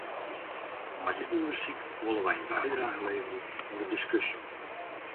Mei dit ûndersyk wolle wy in bydrage leverje oan de diskusje.